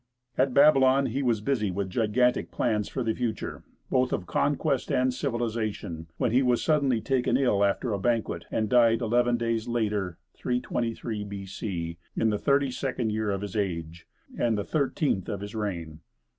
At Babylon he was busy with gigantic plans for the future, both of conquest and civilization, when he was suddenly taken ill after a banquet, and died eleven days later, 323 B.C., in the thirty second year of his age, and the thirteenth of his reign.